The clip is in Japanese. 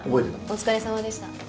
お疲れさまでした。